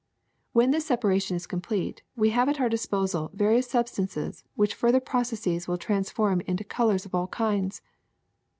When this separa tion is complete, we have at our disposal various sub stances which further processes will transform into colors of all kinds.